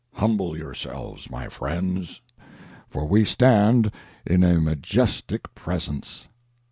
Humble yourselves, my friends, for we stand in a majestic presence.